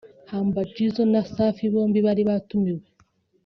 Humble Gizzo na Safi bombi bari batumiwe